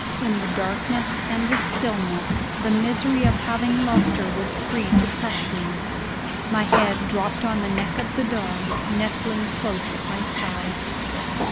In the darkness and the stillness, the misery of having lost her was free to crush me. My head dropped on the neck of the dog, nestling close at my side.